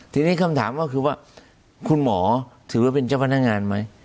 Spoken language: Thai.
ทีนี้คำถามก็คือว่าคุณหมอถือว่าเป็นเจ้าพนักงานไหม